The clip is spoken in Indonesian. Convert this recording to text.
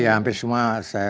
iya hampir semua